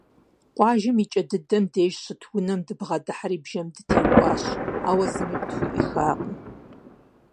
Къуажэм и кӏэ дыдэм деж щыт унэм дыбгъэдыхьэри бжэм дытеуӀуащ, ауэ зыми къытхуӀуихакъым.